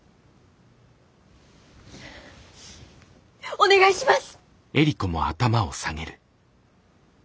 お願いします！